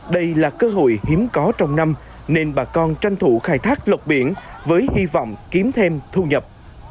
đây là cơ hội hiếm có trong năm nên bà con tranh thủ khai thác lộc biển với hy vọng kiếm thêm thu nhập